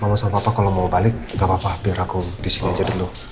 mama sama papa kalau mau balik gak apa apa biar aku disini aja dulu